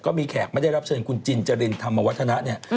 แขกไม่ได้รับเชิญคุณจินจรินธรรมวัฒนะเนี่ย